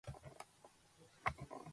მშენებლობა არ ყოფილა დასრულებული.